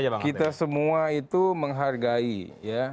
ya kita semua itu menghargai ya